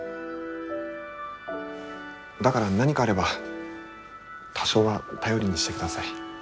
だから何かあれば多少は頼りにしてください。